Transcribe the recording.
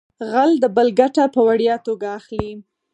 غل د بل ګټه په وړیا توګه اخلي